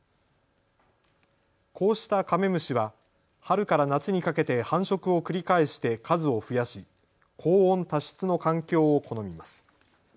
こうしたカメムシは春から夏にかけて繁殖を繰り返して数を増やし高温多湿の環境を好みます。